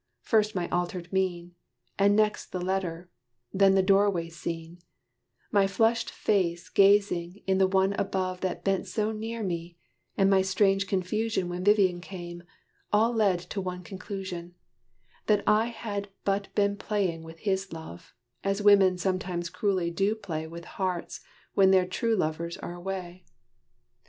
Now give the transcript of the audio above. First my altered mien And next the letter then the door way scene My flushed face gazing in the one above That bent so near me, and my strange confusion When Vivian came, all led to one conclusion: That I had but been playing with his love, As women sometimes cruelly do play With hearts when their true lovers are away.